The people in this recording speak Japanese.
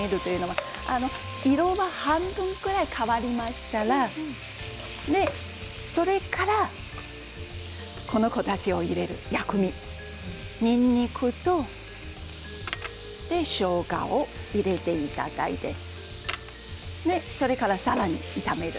色が半分くらい変わりましたらそれからこの子たちを入れる薬味にんにくとしょうがを入れていただいてそれから、さらに炒める。